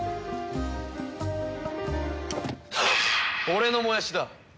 俺のもやしだ。